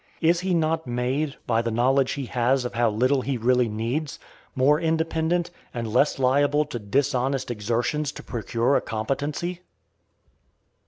Is he not made, by the knowledge he has of how little he really needs, more independent and less liable to dishonest exertions to procure a competency?